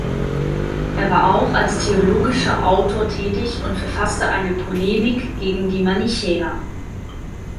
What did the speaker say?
Er war auch als theologischer Autor tätig und verfasste eine Polemik gegen die Manichäer.